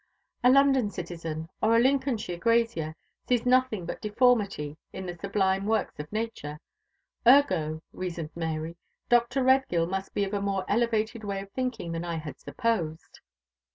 A London citizen, or a Lincolnshire grazier, sees nothing but deformity in the sublime works of nature," ergo, reasoned Mary, "Dr. Redgill must be of a more elevated way of thinking than I had supposed."